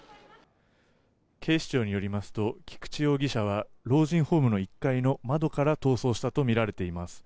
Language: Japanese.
警視庁によりますと菊池容疑者は老人ホームの１階の窓から逃走したとみられています。